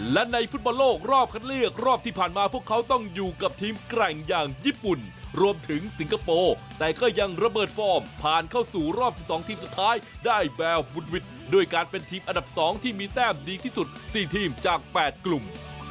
และในฟุตบอลโลกรอบคัดเลือกรอบที่ผ่านมาพวกเขาต้องอยู่กับทีมแกร่งอย่างญี่ปุ่นรวมถึงสิงคโปร์แต่ก็ยังระเบิดฟอร์มผ่านเข้าสู่รอบ๑๒ทีมสุดท้ายได้แบบวุดวิดด้วยการเป็นทีมอันดับ๒ที่มีแต้มดีที่สุด๔ทีมจาก๘กลุ่ม